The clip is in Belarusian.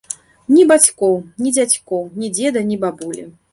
Ні бацькоў, ні дзядзькоў, ні дзеда, ні бабулі.